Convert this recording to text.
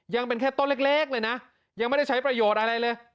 ยังเป็นแค่ต้นเล็กเลยนะยังไม่ได้ใช้ประโยชน์อะไรเลย